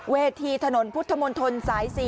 เวทีถนนพุทธมนตรสาย๔